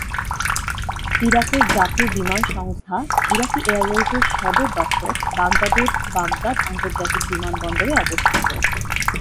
ইরাকের জাতীয় বিমান সংস্থা ইরাকি এয়ারওয়েজের সদর দফতর বাগদাদের বাগদাদ আন্তর্জাতিক বিমানবন্দরে অবস্থিত।